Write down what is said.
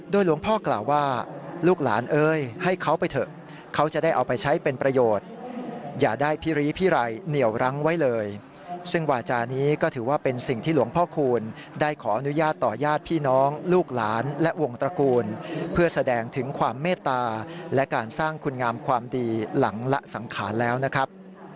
หลวงพ่อกล่าวว่าลูกหลานเอ้ยให้เขาไปเถอะเขาจะได้เอาไปใช้เป็นประโยชน์อย่าได้พิรีพิไรเหนียวรั้งไว้เลยซึ่งวาจานี้ก็ถือว่าเป็นสิ่งที่หลวงพ่อคูณได้ขออนุญาตต่อญาติพี่น้องลูกหลานและวงตระกูลเพื่อแสดงถึงความเมตตาและการสร้างคุณงามความดีหลังละสังขารแล้วนะครับ